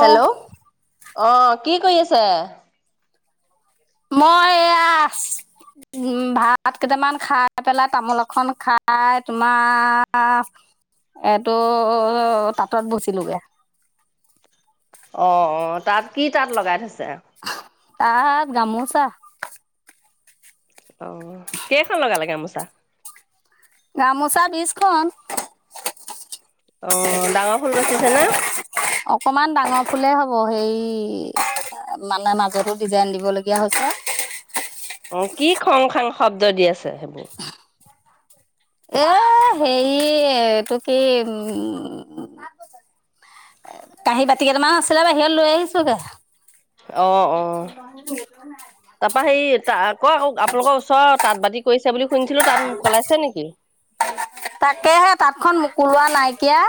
Hello, অ, কি কৰি আছে? মই এইয়া আছ উম, ভাত কেইটামান খাই পেলাই তামোল এখন খাই তোমাৰ এইটো তাঁতত বহিচিলোগে। অ', অ', তাত কি তাত লগাই থৈছে? তাত গামোচা। অ, কেইখন লগালে গামোচা? গামোচা বিছখন। অ, ডাঙৰ ফুল বাচিছা না? অকমান ডাঙৰ ফুলেই হ'ব হেই মানে মাজতো ডিজাইন দিব লগীয়া হৈছে। অ, কি খং খাং শব্দ দি আছে সেইবোৰ? এই হেৰি এইটো কি এ কাহী বাতি কেইটামান আছিলে বাহিৰত লৈ আহিছোগে। [unintelligible] তাৰ পা সেই ত' আকৌ-আকৌ আপোনালোকৰ ওচৰ তাঁত বাতি কৰিছে বুলি শুনিছিলোঁ তাত মোক জলাইছে নেকি? তাকেহে তাঁতখন মোক উলোৱা নাইকিয়া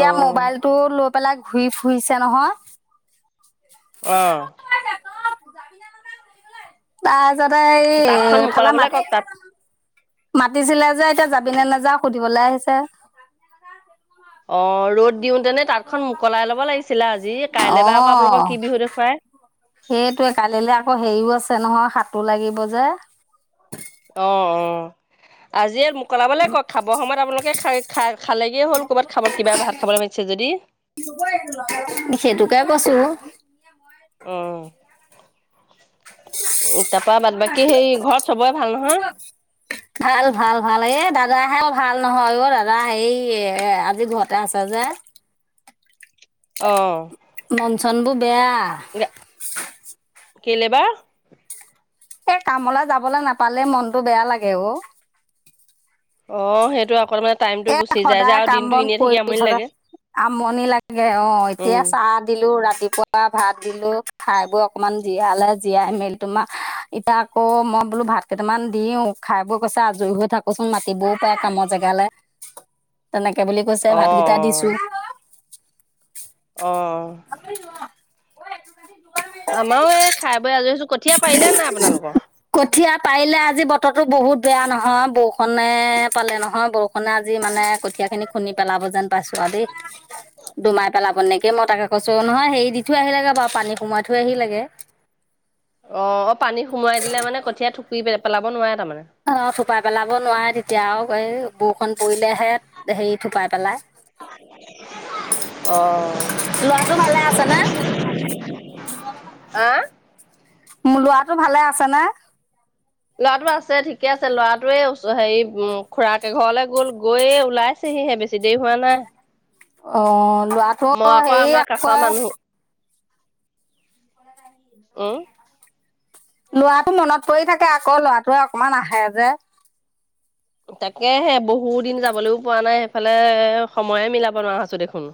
অ মোবাইল টো লৈ পেলাই ঘূৰি ফুৰিছে নহয়। অ', তাৰ পিছত তাঁতখন এই ফালা মোকলাবলৈ মাত কওক তাত মাতিছিলে যে এতিয়া যাবি নে নাযা সুধিবলৈ আহিছে। অ, ৰ'দ দিওতেনে তাঁতখন মোকলাই লব লাগিছিলে আজি কাইলৈ বা আকৌ আপোনালোকক অ'। কি বিহু দেখুৱাই। সেইটোৱে কালিলৈ আকৌ হেৰিও আছে নহয় সাতো লাগিব যে। অ', অ', আজিয়ে মোকলাবলৈ কওক খাব সময়ত আপোনালোকে খাই-খা-খালেগেই হ'ল ক'বাত খাব কিবা ভাত খাবলৈ মাতিছে যদি। [unintelligible] সেইটোকে কৈছোঁ। উম, তাপা বাদ বাকী হেই ঘৰত চবৰে ভাল নহয়? [inaudible] ভাল-ভাল-ভাল এ দাদাহে ভাল নহয় অ, দাদা হেই এ আজি ঘৰতে আছে যে। অ', মন চনবোৰ বেয়া। [unintelligible] কেলে বা? এ কামলৈ যাবলৈ নাপালে মনটো বেয়া লাগে অ, অ, সেইটো [unintelligible] এ যায় যে সদায় আৰু কাম দিনটো বন এনেই থাকি কৰি আমনি ধৰা লাগে আমনি লাগে অ, উম এতিয়া চাহ দিলো ৰাতিপুৱা পুৱা ভাত দিলো খাই বৈ অকনমান জীয়ালে জীয়াই মেলি তোমাৰ এতিয়া আকৌ মই বোলো ভাত কেইটামান দিওঁ খাই বৈ কৈছে আজৰি হৈ থাকোঁচোন মাতিবও পাৰে কামৰ জেগালে। তেনেকে বুলি কৈছে অ ভাতকেইটা দিছো অ', [unintelligible] আমাৰো এই খাই বৈ আজৰি হৈছো কঠীয়া পাৰিলে নে নাই আপোনালোকৰ? কঠীয়া পাৰিলে আজি বতৰতো বহুত বেয়া নহয় বৰষুণে পালে নহয় বৰষু ষুণে আজি মানে কঠীয়া খিনি খুন্দি পেলাব যেন পাইছো আৰু দেই। দুুমাই পেলাব নেকে মই তাকে কৈছো নহয় হেৰি দি থৈ আহিলেগে বাৰু পানী সোমাই থৈ আহি লেগে। অ-অ! পানী সোমোৱাই দিলে মানে কঠীয়া থুপি পেলাব নোৱাৰে তাৰমানে? অঁ! থোপা পেলাব নোৱাৰে তেতিয়া আৰু এই বৰষুণ পৰিলেহে হেৰি থোপাই পেলাই। অ [unintelligible] ল'ৰাটো ভালে আছে নে? আহ [unintelligible] মোৰ ল'ৰাটো ভালে আছে নে? ল'ৰাটো আছে ঠিকে আছে। ল'ৰাটোৱে এই হেৰি উম খুৰাকে ঘৰলে গ'ল গৈয়েই ওলাই পাইছেহি হে বেছি দেৰি হোৱা নাই। অঁ! মই ল'ৰাটোৱ আকৌ হেৰি আমাৰ কাষৰ আকৌ মানুহ উম। ল'ৰাটো মনত পৰি থাকে আকৌ ল'ৰাটোৱে অকমান আহে যে। তাকেহে বহু দিন যাবলৈও পোৱা নাই সেইফালে। সময়ে মিলাব নোৱাৰা হৈছো দেখোন।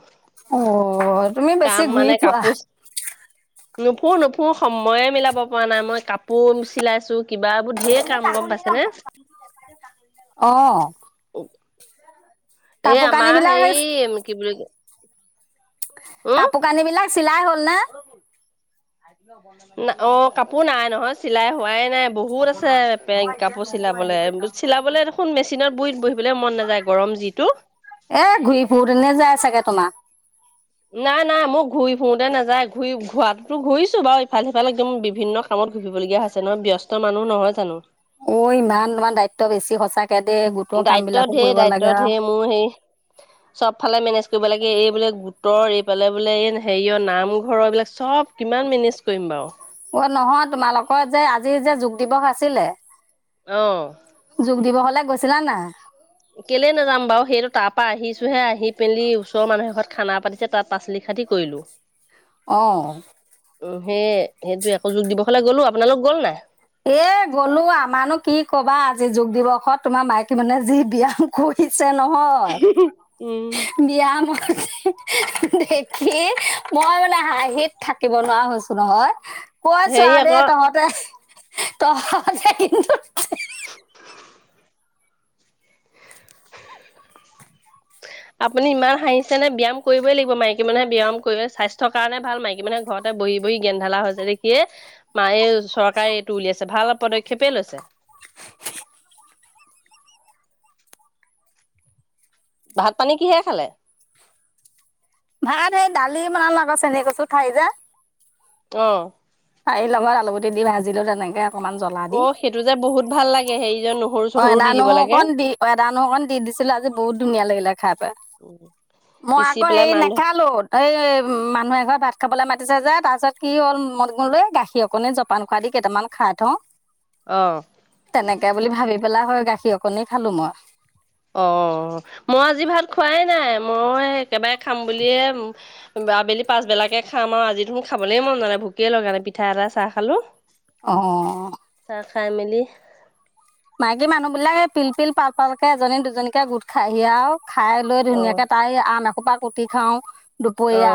অ', তুমি বেছি কাম ঘূৰি মানে ফুৰা কাপোচ নুফু-নুফু সময়ে মিলাব পৰা নাই মই কাপোৰ চিলাইছো। কিবা এইবোৰ ঢেৰ কাম গম পাইছে নে? অঁ! এই আমাৰ হেৰি কি বুলি উম কাপোৰ কানি বিলাক চিলাই হ'ল নে? অঁ! কাপোৰ নাই নহয় চিলাই হোৱাই নাই বহু বহুত আছে কাপোৰ চিলাবলে। চিলাবলে দেখোন মেচিনত বহি বহিবলে মন নাযায় গৰম যিটো। এ ঘূৰি ফুৰো তেনে যায় চাগে তোমাৰ? নাই-নাই, মোৰ ঘূৰি ফুৰোতে নাযায়, ঘূৰি ঘূৰাতো ঘূৰিছো বাৰু ইফাল সিফালে একদম বিভিন্ন কামত ঘুৰি ফুৰিবলগীয়া হৈছে নহয় ব্যস্ত মানুহ নহয় জানো। অ! ইমান তোমাৰ দায়িত্ব বেছি সঁচাকে দেই গোটৰ কাম দায়িত্ব বিলাকো ঢেৰ কৰিব লাগে আৰু। মোৰ হেৰি চবফালে মেনেজ কৰিব লাগে। এই বোলে গোটৰ, এইফালে বোলে এই হেৰিয়ৰ নামঘৰৰ এইবিলাক চব কিমান মেনেজ কৰিম বাৰু। অঁ! নহয় তোমালোকৰ যে আজি যে যোগ দিৱস আছিলে। অঁ! যোগ দিৱসলে গৈছিলা নে নাই? কেলে নাযাম বাৰু। সেইটো তাৰ পৰা আহিছোঁ হে আহি পেলি ওচৰৰ মানুহ এ ঘৰত খানা পাতিছে তাত পাচলি খাতি কৰিলোঁ। [inaudible] অঁ! উম! সেই সেইটোৱেই আকৌ যোগ দিৱসলে গ'লোঁ। আপোনালোক গ'ল নাই? এ, গ'লোঁ আমাৰনো কি ক'বা, আজি যোগ দিৱসত তোমাৰ মাইকী মানুহে যি বিয়া কৰিছে নহয় উম বিয়াম [unintelligible] দেখি মই মানে হাঁহিত থাকিব নোৱাৰা হৈছোঁ নহয়। কৈছোঁ হেৰি আৰু দেই, আকৌ তহঁতে-তহঁতে কিন্তু [unintelligible] [unintelligible] আপুনি ইমান হাঁহিছে নে, ব্যায়াম কৰিবই লাগিব। মাইকী মানুহে ব্যায়াম কৰিলে স্বাস্থ্যৰ কাৰণে ভাল। মাইকী মানুহে ঘৰত বহি-বহি গেন্ধালা হৈছে দেখিয়ে মাও এই চৰকাৰে এইটো উলিয়াইছে, ভাল পদক্ষেপ লৈছে। ভাত, পানী কিহেৰে খালে? ভাত সেই দালি বনালোঁ, আকৌ চেনি কচু থাৰি যে অঁ! ঠাৰী লগত আলুগুটি দি ভাজিলোঁ, তেনেকে অকমান জ্বলা অ দি। সেইটো যে বহুত ভাল লাগে, হেৰি যে নো অ', এদা নহও, অকণ দি। অ', এদা নুহ, অকণ দি দিছিলোঁ আজি বহুত ধুনীয়া লাগিলে খাই। মই পিচি আকৌ পেলাই হেৰি মান নেখালোঁ। এই মানুহ এঘৰত ভাত খাবলৈ মাতিছে যে, তাৰপিছত কি হ'ল, [unintelligible] এই গাখীৰ অকণ, জলপান খোৱা দি কেইটামান খাই থও। অ'। তেনেকে বুলি ভাবি পেলাই হয়, গাখীৰ অকণনি খালোঁ মই। অ', মই আজি ভাত খোৱাই নাই, মই একেবাৰে খাম বুলিয়েই আবেলি পাছবেলাকে খাম আৰু। আজি দেখোন খাবলৈ মন যোৱা নাই, ভোকে লগা নাই। পিঠা এটা, চাহ খালোঁ। অ'। চাহ খাই মেলি মাইকী মানুহবিলাকে পিল পিল, পাল পালকে এজনী দুজনীকে গোট খাইহি আৰু। খাই লৈ অ ধুনীয়াকৈ তাই আম এসোপা কুটি খাঁও। অ দুপৰীয়া।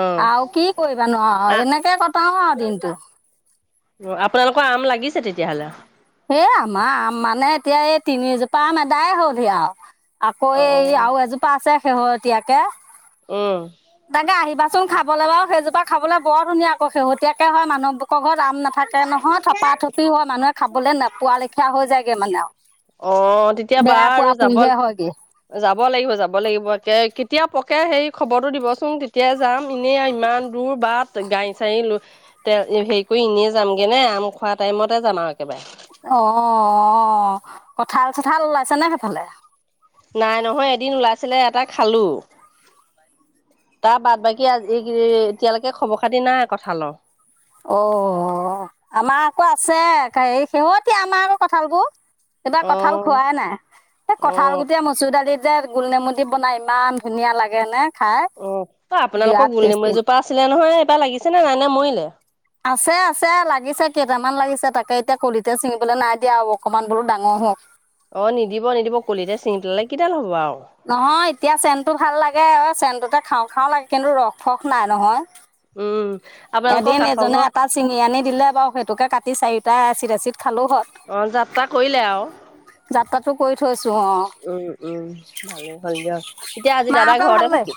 অ আৰু কি কৰিবা নো আৰু, আ এনেকে কটাও আৰু দিনটো। [unintelligible] আপোনালোকৰ আম লাগিছে তেতিয়াহ'লে? এ, আমাৰ আম মানে এতিয়া এই তিনিজোপা আম এদায় হ'লহি আৰু। আকৌ অ এই আৰু এজোপা আছে, শেহতীয়াকে। উম। তাকে আহিবাচোন খাবলৈ বাৰু, সেইজোপা খাবলৈ বৰ ধুনীয়া আকৌ, শেহতীয়াকৈ হয় [unintelligible] থাকে নহয়, থপা থপি হয়, মানুহে খাবলৈ নোপোৱা লেখীয়া হৈ যায়গে মানে আৰু। অ', তেতিয়া বেয়া পোৱা বাৰু যাব পুইহে হয়গে যাব লাগিব, যাব লাগিব। একে কেতিয়া পকে হেৰি খবৰটো দিবচোন, তেতিয়াই যাম এনেই ইমান দূৰ বাট গাড়ী, চাড়ী লৈ [unintelligible] হেৰি কৰি এনেই যামগে নে, আম খোৱা টাইমতে যাম আৰু একেবাৰে। অ', অ' কঁঠাল চঠাল ওলাইছেনে সেইফালে? নাই নহয়, এদিন ওলাইছিলে, এটা খালোঁ। তাৰ বাদ বাকী [unintelligible] এতিয়ালৈকে খবৰ খাতি নাই কঁঠালৰ। অ', আমাৰ আকৌ আছে [unintelligible] কঁঠালবোৰ। এইবাৰ অ কঁঠাল খোৱাই নাই, এই অ কঁঠাল গুটিয়ে মচুৰ দালিত যে গোল নেমু দি বনাই, ইমান ধুনীয়া লাগে নে। খাই উম, আপোনালোকৰ বিৰাট গোল নেমু টেষ্টি এজোপা আছিলে নহয়, এইবাৰ লাগিছে নে নাই, নে মৰিলে? আছে আছে, লাগিছে কেইটামান লাগিছে। তাকে এতিয়া কলিতে ছিঙিবলৈ নাই দিয়া আৰু অকণমান বোলো ডাঙৰ হওঁক। অ', নিদিব নিদিব, কলিতে ছিঙি পেলালে কিডাল হ'ব আৰু। নহয়, এতিয়া চেনটো ভাল লাগে, চেনটোতে খাওঁ খাওঁ লাগে, কিন্তু ৰস ফস নাই নহয়। উম। আপোনালোকৰ এদিন কাষৰ এজনে ঘৰ এটা চিঙি আনি দিলে বাৰু সেইটোকে কাটি চাৰিটা এচিত এচিত খালো হয়। অ', যাত্ৰা কৰিলে আৰু। যাত্ৰাটো কৰি থৈছো অ'। উম, উম ভালে হ'ল দিয়ক। এতিয়া আজি দাদা মাহঁতৰ ঘৰতে ভালেই থাকিল।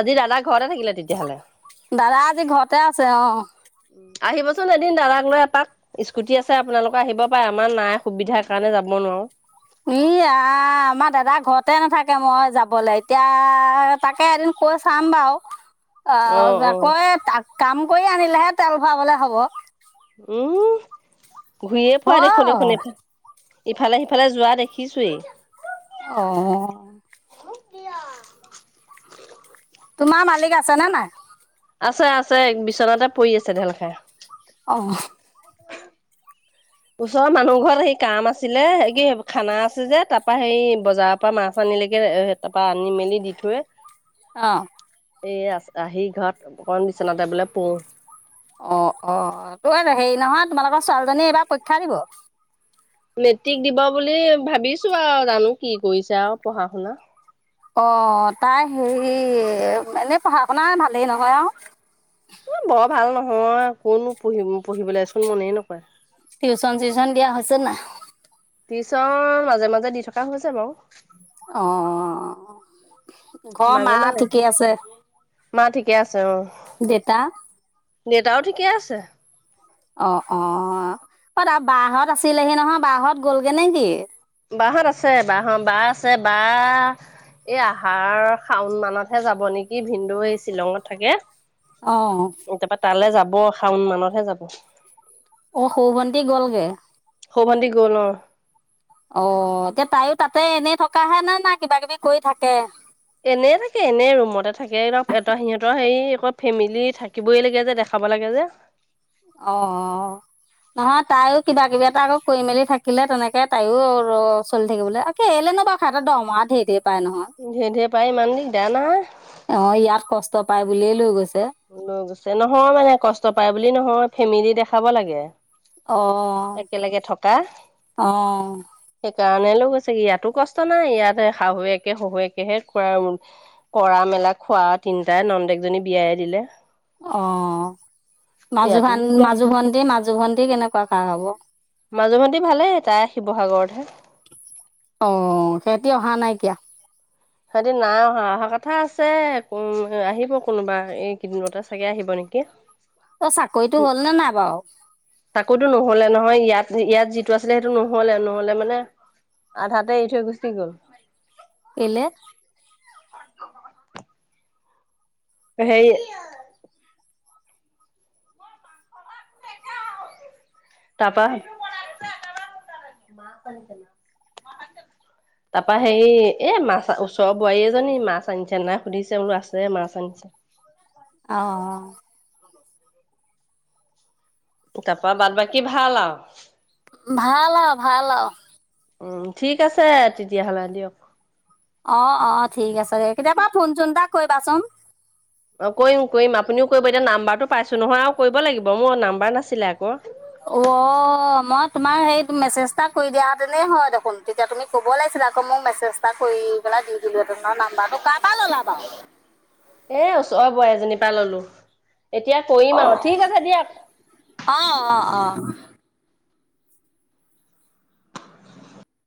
আজি দাদা ঘৰতে থাকিলে তেতিয়াহ'লে। দাদা আজি ঘৰতে আছে অ'। আহিবচোন এদিন দাদাক লৈ এপাক। স্কুটি আছে আপোনালোকৰ আহিব পাৰে, আমাৰ নাই সুবিধাৰ কাৰণে যাব নোৱাৰো। ই আ, আমাৰ দাদা ঘৰতে নাথাকে মই যাবলে, এতিয়া তাকে এদিন কৈ চাম বাাৰু। অ অ কৈ কাম কৰি আনিলেহে তেল ভৰাবলে হ'ব। উম ঘূয়ে ফুৰা দেখোঁ দেখোন এত ইফালে সিফালে যোৱা দেখিছোয়ে। অ'। তোমাৰ মালিক আছে নে নাই। আছে আছে বিচনাতে পৰি আছে ঢেল খাই। অ'। [inaudible] ওচৰৰ মানুহ ঘৰত সেই কাম আছিলে হে কি খানা আছে যে তাৰ পা সেই বজাৰ পা মাছ আনিলেগে এ তাৰপা আনি মেলি দি থৈ অ'। এই আ আহি ঘৰত অকন বিচনাতে বোলে পও। অ', অ, তো হেৰি নহয় তোমালোকৰ ছোৱালীজনী এইবাৰ পৰীক্ষা দিব। মেট্ৰিক দিব বুলি ভাবিছো আউ জানো কি কৰিছে আউ পঢ়া শুনা। অ', তাই হেৰি এ এনে পঢ়া শুনা ভালেই নহয় আউ। বৰ ভাল নহয় কোনো পঢ়ি-পঢ়িবলে চুন মনেই নকয়। টিউশচন চিউশচন দিয়া হৈছে নাই। টিউচন মাজে মাজে দি থকা হছে বাউ। অ', অ, ঘৰ মা মাজে মাজে ঠিকে আছে। মা ঠিকে আছে অ', দেতা দেউতাও ঠিকে আছে। অ', অ, অ তা বাহত আছিলেহি নহয় বাহত গ'লগে নেকি। বাহত আছে বাহ বা আছে বা এই আহাৰ শাওন মানতহে যাব নেকি। কি ভিনন্দু এই শ্বিলঙত থাকে অ'। উম তাৰপা তালে যাব শাওন মানতহে যাব। অ', সউ ভণ্টি গ'লগে। সউ ভণ্টি গ'ল অ'। অ', এতিয়া তাইয়ো তাতে এনেই থকাহে নে না কিবা কিবি কৰি থাকে। এনেই থাকে এনে ৰুমতে থাকে এত সিহঁতৰ হেৰি আকৌ ফেমিলি থাকিবই লাগে যে দেখ খাব লাগে যে। অ', অ'। নহয় তাইও কিবা কিবি এটা আকৌ কৰি মেলি থাকিলে তেনেকে তাইও ৰ চলি থাকিবলে। কেলে নো বা হেট দৰমৰা ঢে ধেৰ পাই নহয়। ধে ধেৰ পায় ইমান দিগদাৰ নাই অ', ইয়াত কষ্ট পাই বুলিয়েই লৈ গৈছে। ল গৈছে নহয় মানে কষ্ট পায় বুলি নহয় ফেমেলি দেখাব লাগে। অ', একেলেগে থকা। অ'। সেইকাৰণে লৈ গৈছে ইয়াতো কষ্ট নাই ইয়াতে শাহুৱেকে শহুৱেকেহে খোৱাৰ কৰা মেলা খোৱা তিনটাই নন্দেকজনী বিয়াই দিলে অ মাজু ইয়াতো ভান দিগদাৰ মাজু ভণ্টি মাজু ভন্টি কেনেকুৱা কাৰ হব মাজু ভন্টি ভালেই তাই শিৱসাগৰতহে অ সিহঁতি অহা নাই এতিয়া সিহঁতে না অহা অহা কথা আছে উম আহিব কোনোবা এই কেইদিনতে চাগে আহিব নেকি অ [inaudible] অ চাকৰিটো হল নে নাই বাউ চাকইটো নহলে নহয় ইয়াত ইয়াত যিটো আছিলে সেইটো নহলে নহলে মানে আধাতে এৰি থৈ গুচি গ'ল। কেলে? [unintelligible] সেই, তাৰপা, তাৰপা হেৰি এ মাছ ওচৰৰ বোৱাৰী এজনী মাছ আনিছে নাই সুধিছে বোলো আছে মাছ আনিছে। অ অ। তাৰাপা বাদ বাকী ভাল আৰু, ভাল আউ ভাল আউ। উম ঠিক আছে তেতিয়াহ'লে দিয়ক। অ অ থিক আছে দে কেতিয়াবা ফোন চোন এটা কৰিবাচোন। অ কৰিম কৰিম আপুনিও কৰিব এতিয়া নাম্বাৰটো পাইছো নহয় আৰু কৰিব লাগিব মোৰ নাম্বাৰ নাছিলে আক। উঅ মই তোমাৰ সেই মেছেজ এটা কৰি দিয়া তেনেই হয় দেখোন তেতিয়া তুমি, ক'ব লাগিছিলে আকৌ মোক মেছেজ এটা কৰি পেলাই দি দিলো হেতেন নাম্বাৰটো কাৰ পৰা ল'লা বাৰু, এই ওচৰৰ বোৱাৰী এজনীৰ পৰা ললো, এতিয়া কৰিম আৰু ঠিক আছে দিয়ক। অ অ অ